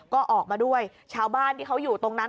ก็ออกมาด้วยชาวบ้านที่เขาอยู่ตรงนั้น